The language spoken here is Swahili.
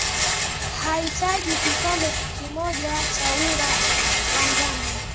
utahitaji Kikombe moja chaUnga wa ngano